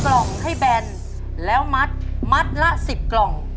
กล่องให้แบนแล้วมัดมัดละ๑๐กล่อง